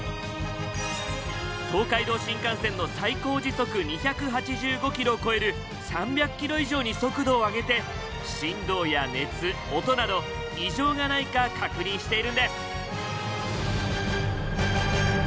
東海道新幹線の最高時速２８５キロを超える３００キロ以上に速度を上げて振動や熱音など異常がないか確認しているんです。